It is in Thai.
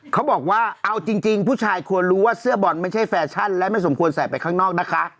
เขาบอกว่าเอาจริงผู้ชายควรรู้ว่าเสื้อบอลไม่ใช่แฟชั่นและไม่สมควรใส่ไปข้างนอกนะคะ